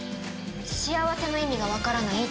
幸せの意味がわからないって。